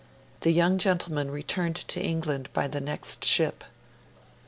The young gentleman returned to England by the next ship.